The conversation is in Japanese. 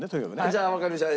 じゃあわかりました。